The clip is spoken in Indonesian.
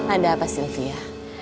ada apa sylvia